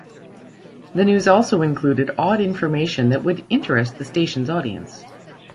The news also included odd information that would interest the station's audience.